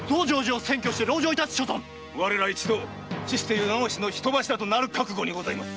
我ら一同死して世直しの人柱となる覚悟にございます！